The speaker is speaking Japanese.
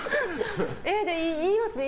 言いますね。